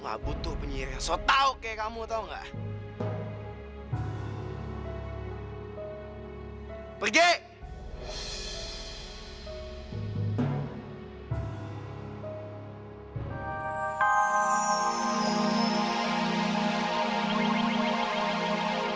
aku gak butuh penyihir yang sotok kayak kamu tau gak